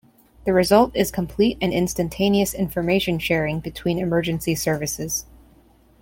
The result is complete and instantaneous information sharing between emergency services.